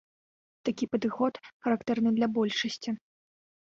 Такі падыход характэрны для большасці.